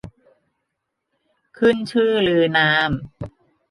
ขึ้นชื่อลือนาม